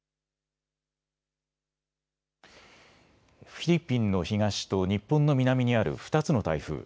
フィリピンの東と日本の南にある２つの台風。